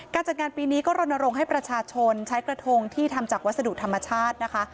จัดงานปีนี้ก็รณรงค์ให้ประชาชนใช้กระทงที่ทำจากวัสดุธรรมชาตินะคะ